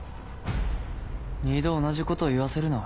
二度同じことを言わせるな。